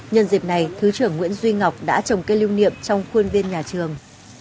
nhân dịp này thứ trưởng nguyễn duy ngọc đã trồng cây lưu niệm trong khuôn viên nhà trường